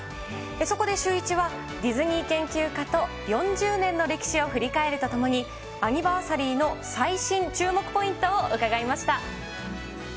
そこでシューイチは、ディズニー研究家と４０年の歴史を振り返るとともに、アニバーサリーの最新注目ポイントを伺いました。